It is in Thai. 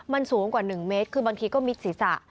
มันสูงกว่า๑เมตรคือบางทีก็มิดศีรษะ